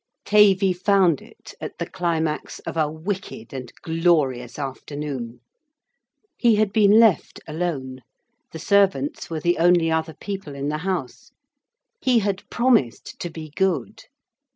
Tavy found it at the climax of a wicked and glorious afternoon. He had been left alone. The servants were the only other people in the house. He had promised to be good.